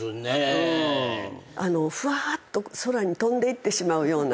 ふわーっと空に飛んでいってしまうような。